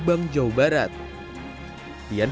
di kampung ciseid jalan caga subang